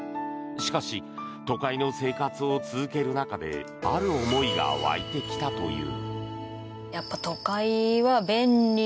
しかし、都会の生活を続ける中である思いが湧いてきたという。